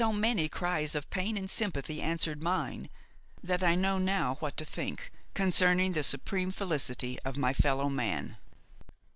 So many cries of pain and sympathy answered mine that I know now what to think concerning the supreme felicity of my fellowman.